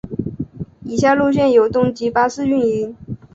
以下路线由东急巴士营运。